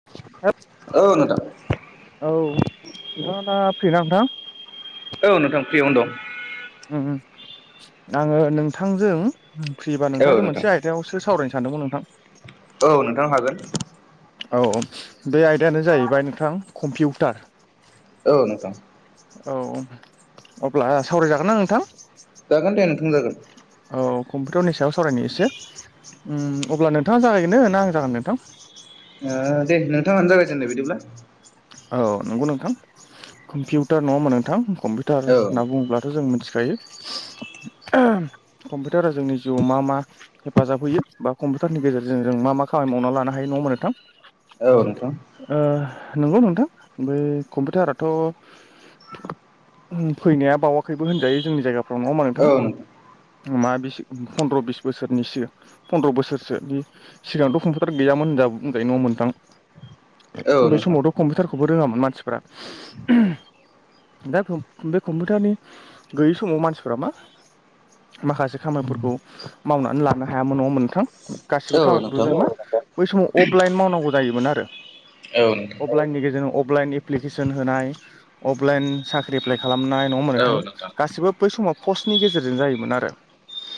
[inaudible] औ नोथां। औ नोंथाङा दा फ्रि ना नोंथां? औ नोंथां फ्रियावनो दं। ओम आङो नोंथांजों फ्रिबा औ नोंथांजों नोंथां मोनसे आइ सायावसो सावरायनो सानदोंमोन नोंथां। औ नोंथां हागोन। औ बे आयदायानो जाहैबाय नोंथां कम्पिउटार। औ नोंथां। औ अब्ला सावरायजागोन नां नोंथां? जागोन दे नोंथां जागोन। औ कम्पिउटारनि सायाव सावरायनो एसे उम अब्ला नोंथाङा जागायनो ना आं जागायनो नोंथां? ओ दे नोंथाङानो जागायजेननाय बिदिब्ला। औ नंगौ नोंथां। कम्पिउटार नङा होममा नोंथां कम्पिउ टार औ होनना बुङोब्लाथ' जों मिथिखायो। [inaudible] ओहोम। कम्पिउटारा जोंनि जिउआव मा मा हेफाजाब होयो बा कम्पिउटारनि गेजेरजों जों मा मा खामानि मावनानै लानो हायो नङा होमबा नोंथां? औ नोंथां। नंगौ नोंथां बै कम्पिउटाराथ' फैनाया बावाखैबो होनजायो जोंनि जायगाफ्राव नङा होमबा नोंथां। मा बिसि फन्द्र' बिस बोसोरनिसो सिगां फन्द्र' बोसोरसोनि सिगांथ' कम्पिउटार गैयामोन होन बुंजायो नङा होमबा औ नोंथां। बै नोंथां समावथ' कम्पिउटारखौबो रोङामोन मानसिफ्रा ओहोम। दा कम बे कम्पिउटारनि गैयै समाव मानसिफ्रा मा माखासे खामानिफोरखौ मावनानै लानो हायामोन नङा होमबा नोंथां। औ गासिबो खामानिफोरखौ नोंथां जोंङो बै समाव अफलाइन मावनांगौ जायोमोन आरो। औ नोंथां अफलाइननि गेजेरजों अफलाइन एप्लिकेसन होनाय अफलाइन साख्रि एप्लाइ खालामनाय नङा होमबा नोंथां। गासिबो बै समाव पस्टनि गेजेरजों जायोमोन आरो।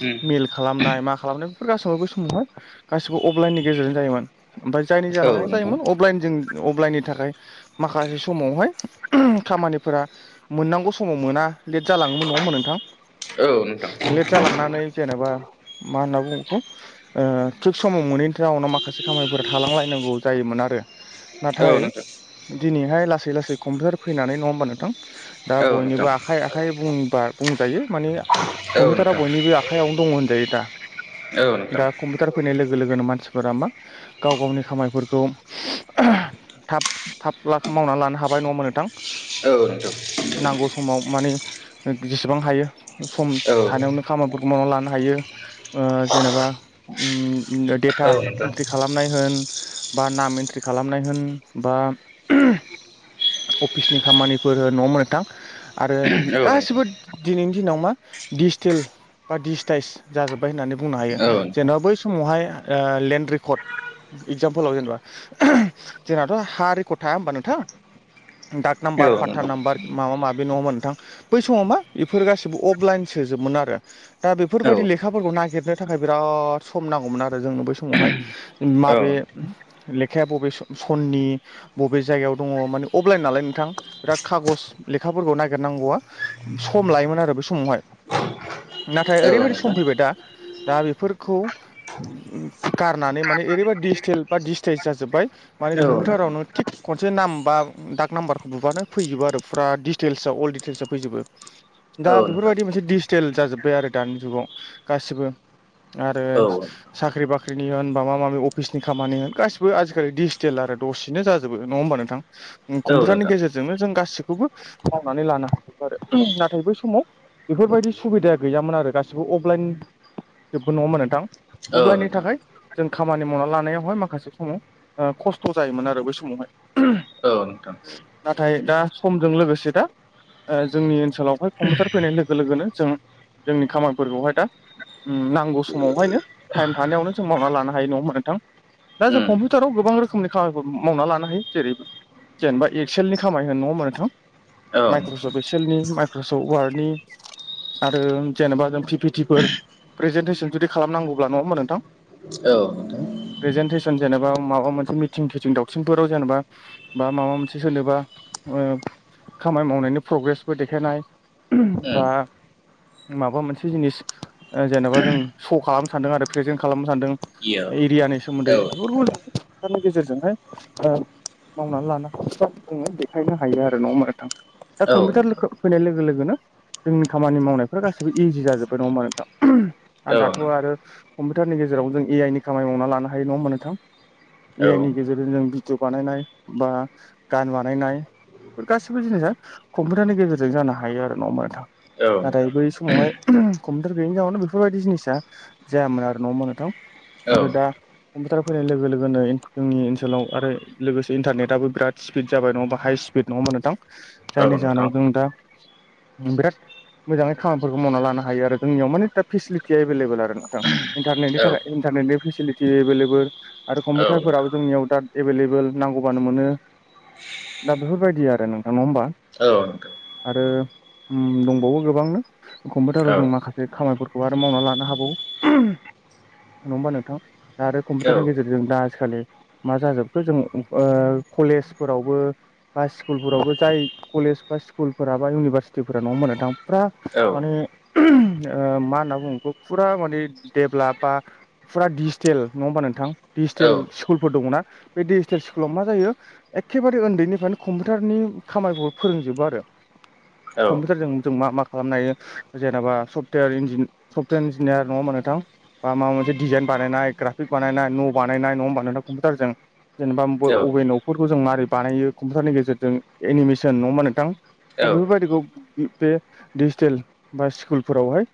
उम मेल खालामनाय मा खालामनाय बेफोर गासैबो बै समावहाय गासिबो अफलाइननि गेजेरजों जायोमोन ओमफ्राय जायनि औ जाउनाव मा नोंथां जायोमोन अफलाइन जों अफलाइननि थाखाय माखासे समावहाय ओहोम खामानिफोरा मोननांगौ समाव मोना लेट जालाङोमोन नङामोन नोंथां? औ नोंथां औ नोंथां औ नोंथां लेट जालांनानै जेनेबा मा होनना बुंङो बेखौ? ओ थिग समाव मोनैनि जाउनाव माखासे खामानिफोरा थालांलायनांगौ जायोमोन आरो। औ नाथाय नोंथां दिनैहाय लासै लासै कम्पिउटार फैनानै नङा होमबा नोंथां। दा औ बयनिबो आखाइ आखाइ बुंबा बुंजायो माने कम्पिउटारा नोंथां बयनिबो आखाइयावनो दङ होनजायो दा। औ नोंथां दा कम्पिउटार फैनाय लोगो लोगोनो मानसिफोरा मा गाव गावनि खामायफोरखौ थाब थाब लास मावनानै लानो हाबाय नङा होनबा नोंथां? औ औ नोंथां नांगौ समाव माने जेसेबां हायो सम थानायावनो खामानिफोरखौ मावनानै लानो हायो। ओ जेनेबा उम [unintelligible] था औ एन्ट्रि खालामनाय होन बा नाम एन्ट्रि खालामनाय होन बा अफिसनि खामानिफोर होन नङा होनबा नोंथां। आरो गासिबो नोंथां दिनैनि दिनाव मा डिजिटेल बा दिज्टाइस जाजोब्बाय होननानै बुंनो हायो औ नोंथां जेनेबा बै समावहाय ओ लेन्ड रेकर्ड एगजामपोलाव जेनेबा जोंनाथ' हा रेकर् थाया होमबा नोंथां। डाक नाम्बार औ औ फा्ता नोंथां औ नाम्बार माबा माबि नङा होनबा नोंथां। बै समाव मा बेफोर गासैबो अफलाइन सोजोबमोन आरो। दा बेफोरबायदि लेखाफोरखौ नागिरनो थाखाय बिराद सम नांगौमोन आरो जोंनो बै समावहाय। माबे लेखाया बबे सम-सननि। बबे जायगायाव दङ माने अफलाइन नालाय नोंथां बिराद खागज लेखाफोरखौ नागिरनांगौआ। सम लायोमोन आरो बे समावहाय। नाथाय ओरैबायदि सम फैबाय दा दा बेफोरखौ गारनानै माने ओरैबा डिजिटेल बा डिजिटाइस जाजोब्बाय माने कम्पिउटाराव नों थिग खनसे नाम बा डाक नाम्बारखौ बुब्लानो फैजोबो आरो फुरा डिटेल्सआव अल डिटेल्स आव फैजोबो। नोंथां दा बेफोरबायदि मोनसे डिजिटेल जाजोब्बाय आरो दानि जुगाव गासिबो। आरो औ नोंथां औ साख्रि बाख्रिनि होन माबा माबि अफिसनि खामानि होन गासिबो आजिखालि दिस टेल आरो दसेनो जाजोबो नङा होमबा नोंथां। औ कम्पिउटारनि नोंथां गेजेरजोंनो जों गासैखौबो मावनानै लानो हागौ आरो नाथाय बै समाव बेफोरबायदि सुबिदाया गैयामोन आरो गासिबो अफलाइन नङा होनबा नोंथां औ अबलाइननि नोंथां थाखाय जों खामानि मावना लानायावहाय माखासे समाव बिराद खस्थ' जायोमोन आरो बै समावहाय। औ नोंथां नाथाय दा समजों लोगोसे दा ओ जोंनि ओनसोलावहाय कम्पिउटार फैनाय लोगो लोगोनो जों जोंनि खामानिफोरखौहाय दा नांगौ समावहायनो टाइम थानायावनो जों मावना लानो हायो नङा होनबा नोंथां दा जों उम कम्पिउटा टाराव गोबां रोखोमनि खामानिफोर मावना लानो हायो जेरै जेनेबा एक्सेलनि खामानि होन नङा होनबा नोंथां। औ माइक्रस' नोंथां बेसेलनि माइक्रस' वार्डनि। आरो जेनेबा जों पिफिटिफोर प्रेजेेनटेसन जुदि खालामनांगौब्ला नङा होमबा नोंथां औ नोंथां प्रेजेेनटेसन जेनेबा माबा मोनसे मिथिं थेथिं दावसिनफोराव जेनेबा बा माबा मोनसे सोरनोबा खामानि मावनायनि प्रग्रेसबो देखायनाय उम बा माबा मोनसे जिनिस जेनेबा जों श' खालामनो सान्दों आरो प्रेजेन्ट खालामनो सान्दों। इयो एरियानि औ सोमोन्दै [unintelligible] गेजेरजोंहाय मावनानै लानो हायो जोङो देखायनो हायो आरो नङा होनबा नोंथां। दा औ नोंथां कम्पिउटार फैनाय लोगो लोगोनो जोंनि खामानि मावनायफ्रा गासैबो इजि जाजोब्बाय नङा होनबा नोंथां आरो औ दाथ' आरो कम्पिउटारनि गेजेराव जों ए आइ नि खामानि मावना लानो हायो नङा होनबा नोंथां। ए औ आइ नि गेजेरजों जों भिडिअ बानायनाय बा गान बानायनाय बे गासिबो जिनिसा कम्पिउटारनि गेजेरजों जानो हायो आरो नङा हानबा नोंथां औ नाथाय नोंथां बै समावहाय कम्पिउटार गैयैनि जाउनाव बेफोरबायदि जिनिसा जायामोन आरो न' होनबा नोंथां औ आरो दा कम्पिउटार फैनाय लोगो लोगो जोंनि ओनसोलाव आरो लोगोसे इन्टारनेटआबो बिराद स्पिड जाबाय नङाबा हाइ स्पिड नङा मोनोदां औ जायनि नोंथां औ नोंथां जाहोनाव जों दा बिराद मोजाङै खामानिफोरखौ मावना लानो हायो आरो जोंनियाव माने दा फेसिलिटिया एभेलेबेल आरो नोंथां इन्टारनेटनि औ थाखाय इन्टारनेटनि फेसिलिटि एभेलेबेल आरो औ कम्पिउटारफोराबो जोंनियाव दा एभेलेबेल नांगौबानो मोनो दा बेफोरबायदि आरो नोंथांनाव होमबा औग [inaudible] आरो दंबावो गोबांनो कम्पिउटाराव जों औ औ माखासे बे खामानिफोरखौ आरो मावना लानो हाबावो नङ होनबा नोंथां दा आरो कम्पिउटारनि औ गेजेरजों जों दा आजिखालि मा जाजोबखो जों कलेजफोरावबो बा स्कुलफोरावबो जाय कलेज बा स्कुलफोरा बा इउनिभारसिटिफोरा नंआ होनबा नोंथां फुरा माने मा होनना बुङग फुरा माने देभलाप बा फुरा डिजिटेल नङा होमबा नोंथां डिजिटेल स्कुलफोर दङना बे डिजिटेल स्कुलाव मा जायो एखेबारे उन्दैनिफ्रायनो कम्पिउटारनि खामानिखौ फोरोंजोबो आरो कम्पिउटारजों जों मा मा खालामनो हायो जेनेबा सफ्टवेर इ सफ्टवेर इन्जिनियार नङा नोंथां बा माबा मोन डिजाइन बानायनाय ग्राफिकस बानायनाय न' बानायनाय नआव बानाय कम्पिउटार जजों जेनेबा अभेन फोरखौ जों मारै बानायो कम्पिउटारनि गेजेरजों एनिमेसन नङ होमबा नोंथां दा बेफोरबायदिखौ बे डिजिटेल बा स्कुलफोरावहाय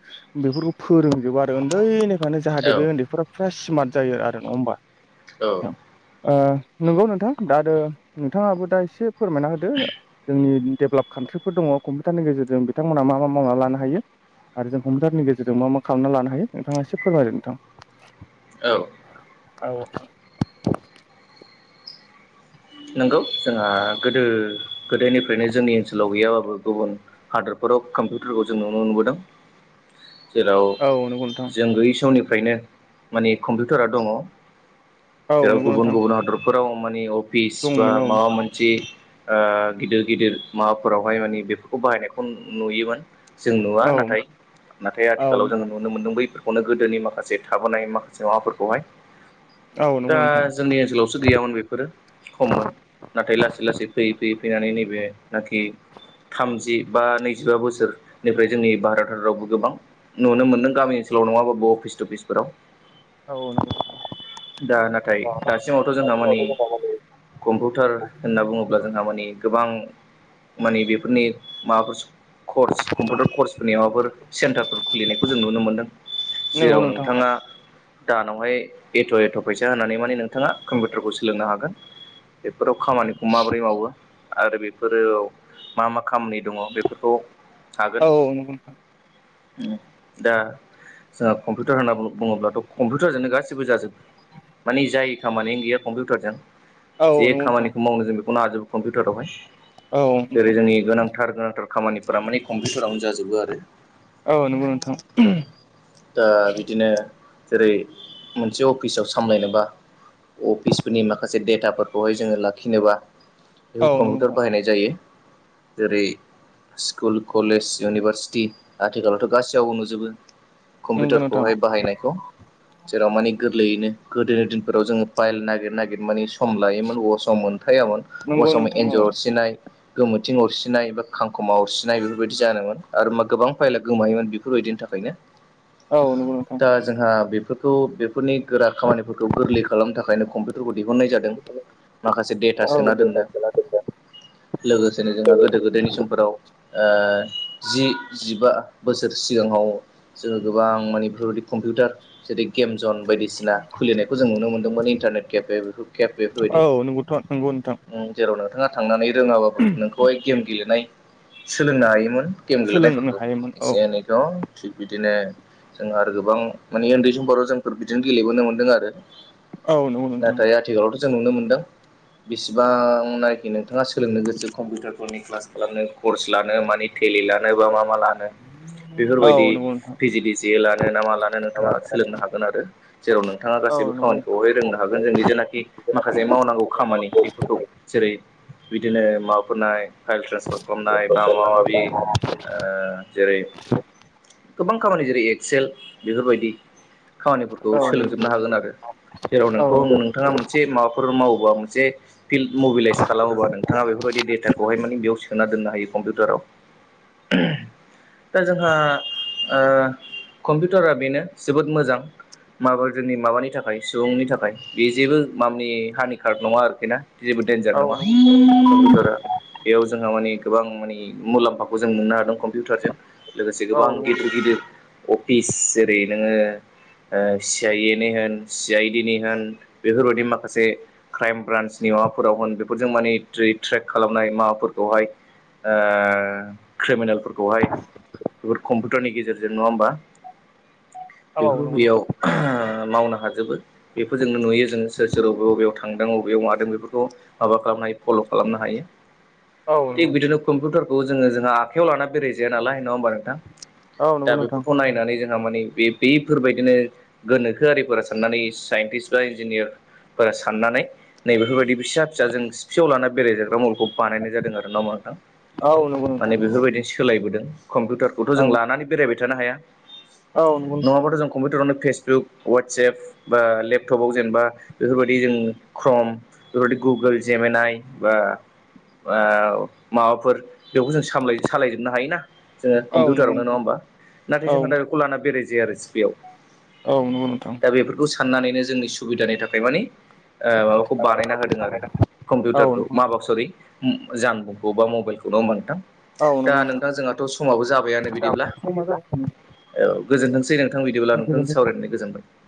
बेफोरखौ फोरोंजोबो आरो उन्दैनिफ्रायनो जाहाथे बे उन्दैफोरा फुरा स्मार्ट जायो आरो नङा हबा नंगौ नोंथां दा आरो नोंथाङाबो दा एसे फोरमायना होदो जोंनि डेभेलप कान्ट्रिफोर दङ कम्पिउटारनि गेजेरजों बिथांमोना मा मा मावना लानो हायो आरो जों हमजारनि गेजेरजों मा मा खालामना लानो हायो नोंथाङा एसे फोरमायदों नोंथां औ औ नंगौ जोंहा गोदो गोदायनिफ्रायनो जोंनि ओनसोलाव गैयाबाबो गुबुन हादोरफोराव कम्पिउटारखौ जों नुनो मोनबोदों जेराव नंगौ नोंथां जों गयै समनिफ्रायनो माने कम्पिउटारा दङ औ जेराव नंगौ गुबुन नोंथां गुबुन हादरफोराव माने अफिस बा दंमोन माबा मोनसे गिदिर गिदिर माबाफोरावहाय मानिे बेफोरखौ बाहायनायखौ नुयोमोन जों नुवा औ नाथाय नाथाय औ आथिखालाव जों नुनो मोनदों बैफोरखौनो गोदोनि माखासे थाबोनाय माखासे माबाफोरखौहाय नंगौ दा नोंथां जोंनि ओनसोलावसो गैयामोन बेफोरो खममोन नाथाय लासै लासै फैयै फैयै फैनानै नैबे नखि थामजि बा नैजिबा बोसोरनिफ्राय जोंनि भारत हादरावबो गोबां नुनो मोनदों गामि ओनसोलाव नङाबाबो अफिस थटफिसफोराव औ औ नांगौव दा नाथाय दासिमावथ' जोंहा मानि कम्पिउटार होनना बुङोब्ला जोंहा माने गोबां माने बेफोरनि माबाफोर कर्स कम्पिउटार कर्सफोरनि माबाफोर सेन्टारफोर खुलिनायखौ जों नुनो मोनदों नंगौ जेराव नोंथां नोंथाङा दानावहाय एथ' एथ' फैसा होनानै माने नोंथाङा कम्पिउटारखौ सोलोंनो हागोन बेफोराव खामानिखौ माबोरै मावो आरो बेफोरो मा मा खामानि दङ बेफोरखौ हागोन औ औ ओम दा जोंहा कम्पिउटार होनना बुङोब्लाथ' कम्पिउटारजोंनो गासिबो जाजो मानि जायि खामानियानो गैया कम्पिउटारजों जे नंगौ नोंथां खामानिखौ मावनो जों बेखौनो हाजोबो कम्पिउटारावहाय औ जेरै नंगौ नोंथां जोंनि गोनां थार गोनांथार खामानिफोरा माने कम्पिउटारावनो जाजोबो आरो औ नंगौ नोंथां दा बिदिनो जेरै मोनसे अफिसाव सामलायनोबा अफिसफोरनि माखासे डेटाफोरखौहाय जोङो लाखिनोबा बेखौ औ नंगौ कम्पिउटार नोंथां बाहायनाय जायो जेरै स्कुल कलेज इउनिभारसिटि आथिखालावथ' गासैयावबो नुजोबो नंगौ नोंथां कम्पिउटारखौहाय बाहायनायखौ जेराव मानि गोरलैयैनो गोदोनि दिनफोराव जोङो फाइल नागिर नागिर माने सम लायोमोन अब सम मोनथायामोन अबा नंगौ समाव नोंथां एन्जर औ अरसिनाय गोमोथिं अरसिनाय बा खांखमा अरसिनाय बेफोरबायदि जानोमोन आरो मा गोबां फाइला गोमायोमोन बेफोरबायदिनि थाखायनो औ नंगौ नोंथां दा जोंहा बेफोरखौ बेफोरनि गोरा खामानिफोरखौ गोरलै खालामनो थाखायनो कम्पिउटारखौ दिहुननाय जादों माखासे डेटा सोना नोंथां दोननो औ लोगोसेनो जोंहा गोदो गोदायनि समफोराव ओ जि जिबा बोसोर सिगाङाव जोङो गोबां माने बेफोरबायदि कम्पिउटार जेरै गेम जन बायदिसि ना खुलिनायखौ जों नुनो मोनदोंमोन इन्टारनेट केेपे केेप बेफोरबायदि औ नंगौथ' नंगौ नोंथां जेराव नोंथाङा थांनानै रोङाबाबो नोंखौहाय गेम गेलेनाय सोलोंनो हायोमोन गेम सोलोंनो गेलेनायफोरखौ हायोमोन औ एसे एनैथ' थिग बिदिनो जों आरो गोबां माने उन्दै समफोराव जोंफोर बिदिनो गेलेबोनो मोन्दों आरो औ नंगौ नोंथां नाथाय आथिखालावथ' जों नुनो मोनदों बेसिबांनाखि नोंथाङा सोलोंनो गोसो कम्पिउटारफोरनि क्लास खालामनो कर्स लानो मानि टेली लानो बा मा मा लानो बेफोरबायदि औ नंगौ नोंथां पि जि दि सि ए लानो ना मा लानो नोंथाङा सोलोंनो हागोन आरो जेराव नोंथाङा औ गासैबो नंगौ नोंथां औ खामानिखौहाय रोंनो हागोन जोंनि जेनाखि माखासे मावनांगौ खामानि बेफोरखौ जेरै बिदिनो माबाफोरनाय फाइल ट्रेन्सफार खालामनाय बा माबा माबि जेरै गोबां खामानि जेरै एक्सेल बेफोरबायदि खामानिफोरखौ औ नंगौ सोलोंजोबनो हागोन आरो जेराव नोंखौ नोंथां नोंथाङा मोनसे माबाफोर मावोबा मोनसे फिल्ड मबिलाइस खालामोबा नोंथाङा बेफोरबायदि डेटाखौहाय माने बेयाव सो सोना दोननो हायो कम्पिउटाराव दा जोंहा ओ कम्पिउटारा बेनो जोबोद मोजां माबा जोंनि माबानि थाखाय सुबुंनि थाखाय बे जेबो मामानि हानि कार्ड नङा आरोखि ना जेबो देन्जार नङा औ कम्पिउटारा बेयाव जोंहा माने गोबां माने मुलाम्फाखौ जों मोननो हादों कम्पिउटारजों। लोगोसे गोबां नंगौ नोंथां औ नंगौ औ नंगौ गिदिर नोंथां गिदिर अफिस जेरै नोङो ओ सि आइ ए नि होन सि आइ डि नि होन बेफोरबायादि माखासे क्राइम ब्रान्सनि माबाफोराव होन बेफोरजों माने ट्रेक खालामनाय माबाफोरखौहाय ओ क्रिमिनेलफोरखौहाय बेफोर कम्पिउटारनि गेजेरजों नङा होमबा बेफोर बेयाव मावनो हाजोबो बेफोरजोंनो नुयो जोङो सोर सोर अबे अबेयाव थांदों अबेयाव मादों बेफोरखौ माबा खालामनो हायो फल' खालामनो हायो औ थिग बिदिनो कम्पिउटारखौ जोङो जोंहा आखाइायाव लाना बेरायजाया नालाय नङा होमबा नोंथां दा बेफोरखौ नंगौ नायनानै जों दा माने बे बेफोरबायदिनो गोनोखोआरिफोरा साननानै साइन्टिस्ट बा इन्जिनियार फोर साननानै नै बेफोरबायदि फिसा फिसा जों सिफियाव लाना बेरायजाग्रा मबेलखौ बानायनाय जादों आर ना माथां माने नोंथां औ बेफोरबायदिनो सोलायबोदों कम्पिउटार खौथ' जों लानानै बेरायबाय थानो हाया। औ नंगौ नङाबाथ' जों कम्पिउटारावनो फेसबुक वाट्सएप बा लेपटपाव जेनेबा बेफोरबायदि जों ख्रम बेबायदि गुगोल जेमिनाइ बा ओ माबाफोर बेखौ जों साम सालायजोबनो हायोना जोङो। औ नंगौ नोंथां औ नंगौ नोंथां औ कम्पिउटार नंगौ नोंथां ना नङा होमबा नाथाय जोंहा दा बेखौ लाना बेराय जायो आरो सिफेयाव। औ नंगौ नोंथां। दा बेफोरखौ साननानैनो जोंनि सुबिदानि थाखाय माने ओ माबाखौ बानायना होदों आरो कम्पिउटारखौ माबा सरि जानबुंखौ बा मबाइलखौ नङी हा नोंथां? औ नंगौ दा नोंथां जोंहाथ' समाबो जाबाय बिदिब्ला समा जासिगोन औ गोजोनथोंसै नोंथां बिदिब्ला नोंथां सावरायनानै गोजोनबाय।